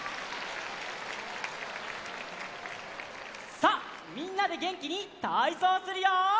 さあみんなでげんきにたいそうするよ！